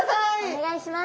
お願いします！